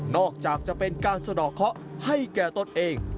อกจากจะเป็นการสะดอกเคาะให้แก่ตนเอง